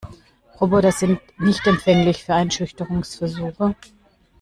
Roboter sind nicht empfänglich für Einschüchterungsversuche.